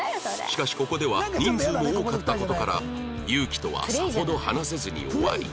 しかしここでは人数も多かった事から祐希とはさほど話せずに終わり